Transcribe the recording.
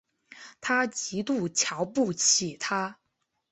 她极度瞧不起他